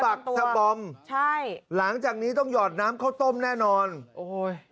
สะบอมใช่หลังจากนี้ต้องหยอดน้ำข้าวต้มแน่นอนโอ้โห